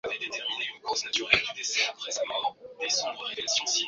Marekani inataka kuonyesha kwamba iko karibu na Kenya kwa wakati huu ambapo kuna hali ya